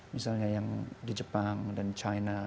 misalnya yang di jepang dan china